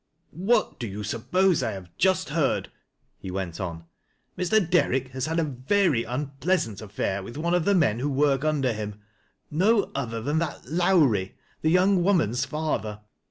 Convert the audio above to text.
" What do you suppose I have just heard ;" he went on. " Mr. Deri'ick has had a very unpleasant affair witli one of the men who work under him — no other than tliat Lowrie — the young woman's father.